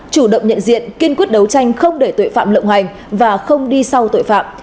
chủ động nhận diện kiên quyết đấu tranh không để tội phạm lộng hành và không đi sau tội phạm